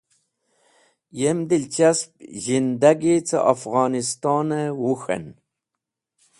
Yem dilchasp zhindagi cẽ Afghonistan-e Wuk̃h en.